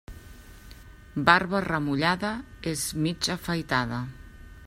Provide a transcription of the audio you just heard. Barba remullada, és mig afaitada.